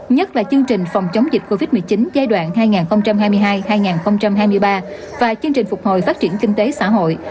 nhất là chương trình phòng chống dịch covid một mươi chín giai đoạn hai nghìn hai mươi hai hai nghìn hai mươi ba và chương trình phục hồi phát triển kinh tế xã hội